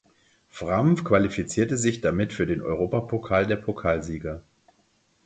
Fram qualifizierte sich damit für den Europapokal der Pokalsieger.